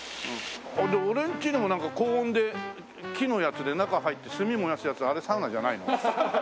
俺んちにもなんか高温で木のやつで中入って炭燃やすやつあれサウナじゃないの？